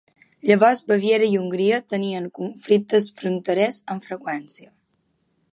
Llavors Baviera i Hongria tenien conflictes fronterers amb freqüència.